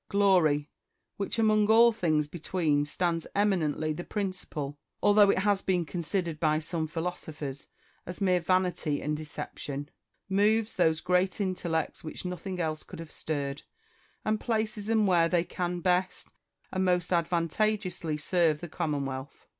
Glory, which among all things between stands eminently the principal, although it has been considered by some philosophers as mere vanity and deception, moves those great intellects which nothing else could have stirred, and places them where they can best and most advantageously serve the Commonwealth.